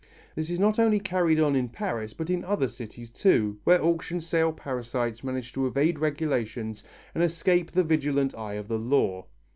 This is not only carried on in Paris but in other cities too, where auction sale parasites manage to evade regulations and escape the vigilant eye of the law.